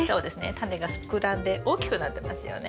タネが膨らんで大きくなってますよね。